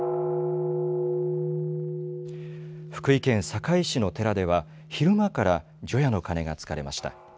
福井県坂井市の寺では昼間から除夜の鐘がつかれました。